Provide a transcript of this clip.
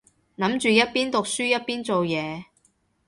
諗住一邊讀書一邊做嘢